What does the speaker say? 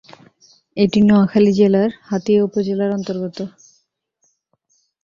এটি নোয়াখালী জেলার হাতিয়া উপজেলার অন্তর্গত।